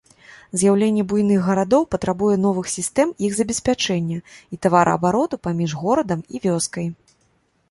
З'яўленне буйных гарадоў патрабуе новых сістэм іх забеспячэння і тавараабароту паміж горадам і вёскай.